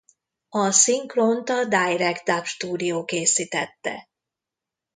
A szinkront a Direct Dub Studio készítette.